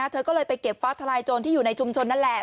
เธอก็เลยไปเก็บฟ้าทลายโจรที่อยู่ในชุมชนนั่นแหละ